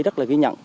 rất là ghi nhận